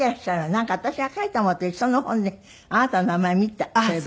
なんか私が書いたものと一緒の本にあなたの名前見たそういえば。